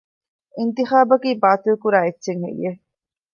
އިންތިޚާބަކީ ބާތިލްކުރާ އެއްޗެއް ހެއްޔެވެ؟